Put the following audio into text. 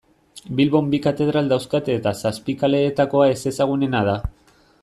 Bilbon bi katedral dauzkate eta Zapikaleetakoa ezezagunena da.